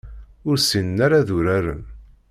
Ur ssinen ara ad uraren.